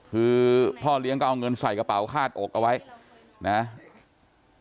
คือพ่อเลี้ยงก็เอาเงินใส่กระเป๋าคาดอกเอาไว้นะครับ